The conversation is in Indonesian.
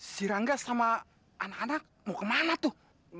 si rangga sama anak anak mau kemana tuh